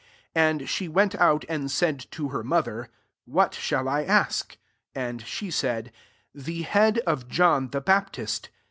24 And she went out, and said to her mother, "What shall I ask?" And she said, "The bead of John the Baptist."